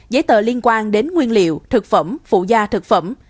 giấy tờ liên quan đến nguyên liệu thực phẩm phụ gia thực phẩm